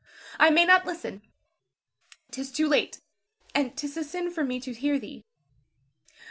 Zara. I may not listen, 'tis too late, and 'tis a sin for me to hear thee.